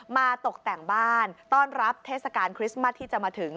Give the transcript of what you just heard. ตกแต่งบ้านต้อนรับเทศกาลคริสต์มัสที่จะมาถึง